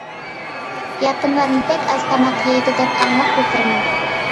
ياپونلارنى بەك ئاز تاماق يەيدۇ دەپ ئاڭلاپلا تۇرىمەن.